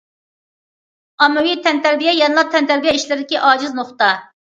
ئاممىۋى تەنتەربىيە يەنىلا تەنتەربىيە ئىشلىرىدىكى ئاجىز نۇقتا.